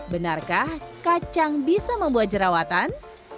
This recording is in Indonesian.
benarkah kacang bisa membuat jerawatan